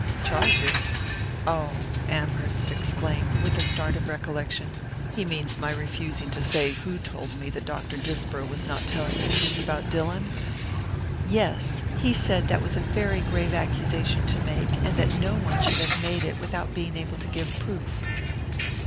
"Charges? Ah," Amherst exclaimed, with a start of recollection, "he means my refusing to say who told me that Dr. Disbrow was not telling the truth about Dillon?" "Yes. He said that was a very grave accusation to make, and that no one should have made it without being able to give proof."